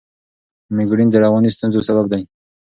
مېګرین د رواني ستونزو سبب دی.